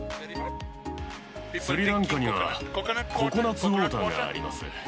スリランカには、ココナツウォーターがあります。